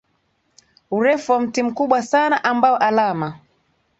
urefu wa mti mkubwa sana ambao alama